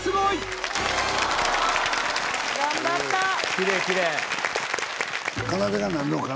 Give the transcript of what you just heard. キレイキレイ！